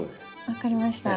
分かりました。